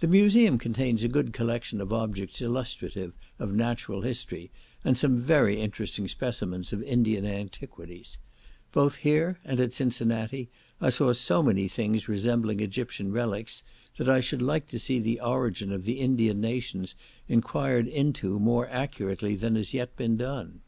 The museum contains a good collection of objects illustrative of natural history, and some very interesting specimens of Indian antiquities; both here and at Cincinnati I saw so many things resembling Egyptian relics, that I should like to see the origin of the Indian nations enquired into, more accurately than has yet been done.